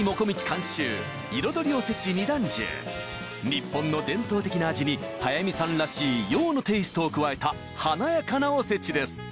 日本の伝統的な味に速水さんらしい洋のテイストを加えた華やかなおせちです